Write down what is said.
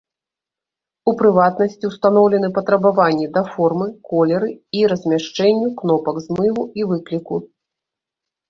У прыватнасці, устаноўлены патрабаванні да формы, колеры і размяшчэнню кнопак змыву і выкліку.